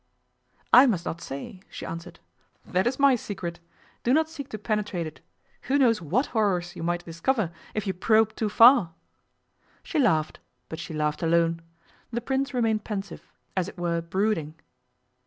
'I must not say,' she answered. 'That is my secret. Do not seek to penetrate it. Who knows what horrors you might discover if you probed too far?' She laughed, but she laughed alone. The Prince remained pensive as it were brooding.